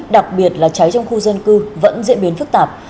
đặc biệt là cháy trong khu dân cư vẫn diễn biến phức tạp